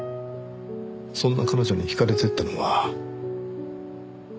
そんな彼女に惹かれていったのは認めます。